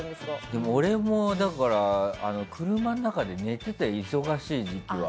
でも俺も、車の中で寝てたよ忙しい時期は。